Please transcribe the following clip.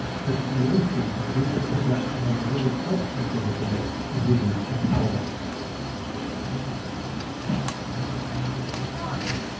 But creation, which is the production of the very substance of a thing, is reduced to "power."